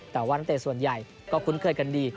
แต่ว่านักเตะส่วนใหญ่ก็คุ้นเคยกันดี